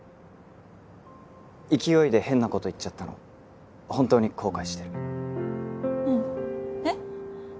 勢いで変なこと言っちゃったの本当に後悔してるうんえっ？